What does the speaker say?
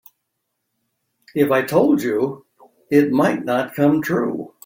If I told you it might not come true.